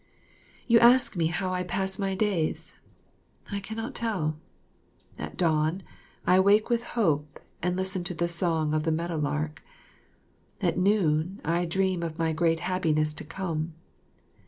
You ask me how I pass my days? I cannot tell. At dawn, I wake with hope and listen to the song of the meadow lark. At noon, I dream of my great happiness to come.